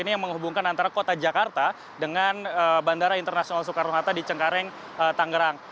ini yang menghubungkan antara kota jakarta dengan bandara internasional soekarno hatta di cengkareng tangerang